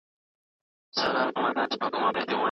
که نرخونه لوړ سي، د خلګو پېرودلو ځواک کمېږي.